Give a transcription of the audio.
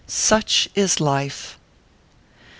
Such is life !